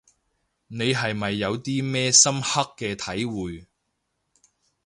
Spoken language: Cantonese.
你係咪有啲咩深刻嘅體會